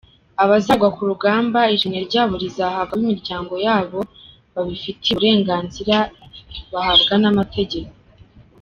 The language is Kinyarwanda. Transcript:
Abazagwa kurugamba ishimwe ryabo rizahabwa abo mu miryango yabo babifitiye uburenganzira bahabwa n’amategeko.